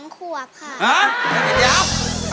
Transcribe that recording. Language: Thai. ๒ควบ